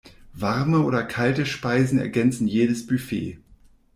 Warme oder kalte Speisen ergänzen jedes Buffet.